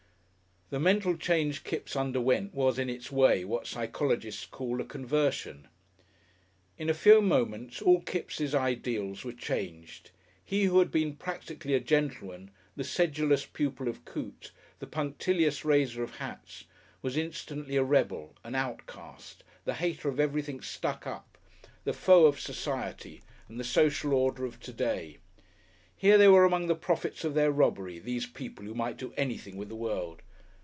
The mental change Kipps underwent was, in its way, what psychologists call a conversion. In a few moments all Kipps' ideals were changed. He who had been "practically a gentleman," the sedulous pupil of Coote, the punctilious raiser of hats, was instantly a rebel, an outcast, the hater of everything "stuck up," the foe of Society and the social order of to day. Here they were among the profits of their robbery, these people who might do anything with the world....